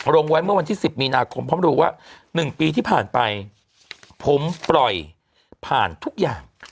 ลงไว้เมื่อวันที่๑๐มีนาคมพร้อมรู้ว่า๑ปีที่ผ่านไปผมปล่อยผ่านทุกอย่าง